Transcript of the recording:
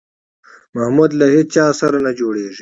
محمود له هېچا سره نه جوړېږي.